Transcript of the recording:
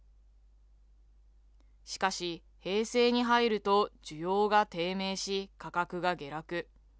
しかし、平成に入ると需要が低迷し、価格が下落。